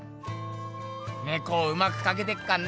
猫をうまくかけてっかんな